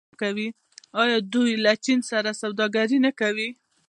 آیا دوی له چین سره سوداګري نه کوي؟